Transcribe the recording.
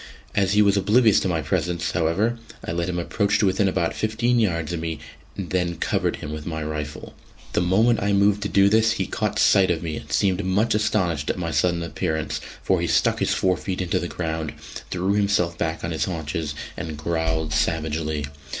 As he was oblivious to my presence, however, I let him approach to within about fifteen yards of me, and then covered him with my rifle. The moment I moved to do this, he caught sight of me, and seemed much astonished at my sudden appearance, for he stuck his forefeet into the ground, threw himself back on his haunches and growled savagely.